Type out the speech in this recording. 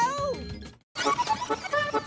แต่งไทยเป็นใคร